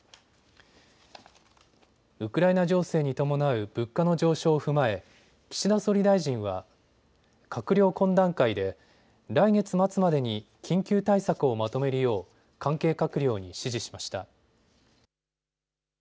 ウクライナ情勢に伴う物価の上昇を踏まえ岸田総理大臣は閣僚懇談会で来月末までに緊急対策をまとめるよう関係閣僚に指示しました。